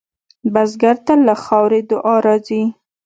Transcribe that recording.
بزګر ته له خاورې دعا راځي